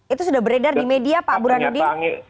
itu sudah beredar di media pak burhanuddin